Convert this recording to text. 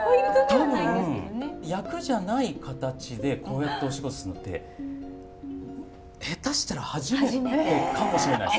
多分役じゃない形でこうやってお仕事するのって下手したら初めてかもしれないです。